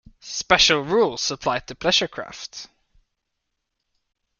Special rules apply to pleasure craft.